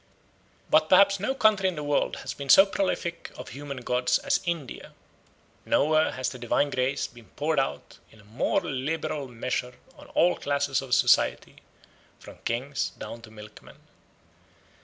But perhaps no country in the world has been so prolific of human gods as India; nowhere has the divine grace been poured out in a more liberal measure on all classes of society from kings down to milkmen.